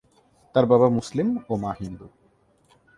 তার বাবা মুসলিম ও মা হিন্দু।